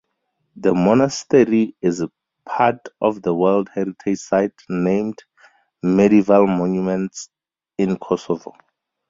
The monastery is part of the World Heritage site named "Medieval Monuments in Kosovo".